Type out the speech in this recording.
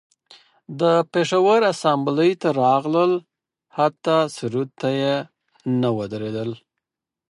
و د پیښور اسامبلۍ ته راغلل حتی سرود ته یې ونه دریدل